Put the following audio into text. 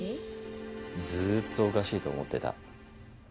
ずっとおかしいと思ってた。